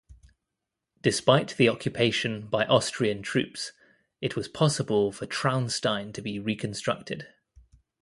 Despite the occupation by Austrian troops, it was possible for Traunstein to be reconstructed.